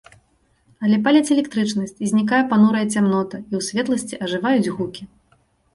Але паляць электрычнасць, і знікае панурая цямнота, і ў светласці ажываюць гукі.